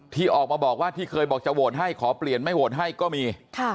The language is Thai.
ที่ออกมาบอกว่าที่เคยบอกจะโหวตให้ขอเปลี่ยนไม่โหวตให้ก็มี